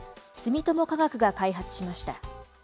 住友化学が開発しました。